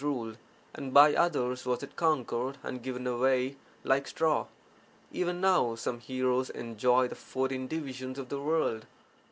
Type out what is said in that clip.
ruled) and by others was it conquered and given away like straw. Even now, some heroes enjoy the fourteen divisions of the world.